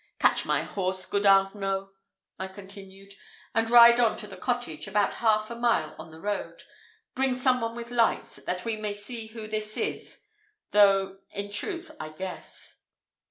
Catch my horse, good Arnault," I continued, "and ride on to the cottage, about half a mile on the road bring some one with lights, that we may see who this is though, in truth I guess."